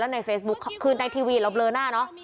ในเฟซบุ๊คคือในทีวีเราเลอหน้าเนอะ